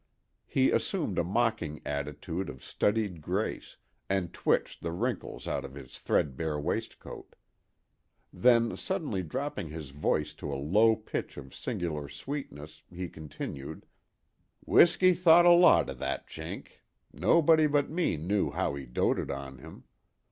He assumed a mocking attitude of studied grace, and twitched the wrinkles out of his threadbare waistcoat. Then, suddenly dropping his voice to a low pitch of singular sweetness, he continued: "W'isky thought a lot o' that Chink; nobody but me knew how 'e doted on 'im.